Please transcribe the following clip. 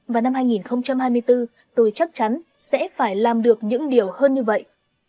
và năm hai nghìn hai mươi bốn tôi chắc chắn sẽ phải làm được những điều hơn như vậy